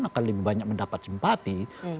akan lebih banyak mendapat simpati